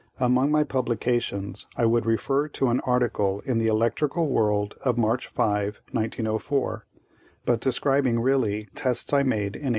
Among my publications I would refer to an article in the Electrical World of March 5, 1904, but describing really tests I made in 1899.